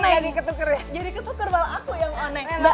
jadi ketuker jadi ketuker aku yang